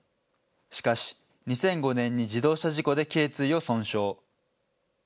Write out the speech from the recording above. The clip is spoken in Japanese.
しかし、２００５年に自動車事故でけい椎を損傷。